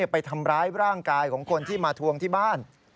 ไปทำร้ายร่างกายของคนที่มาทวงที่บ้าน